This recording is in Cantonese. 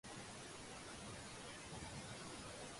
一個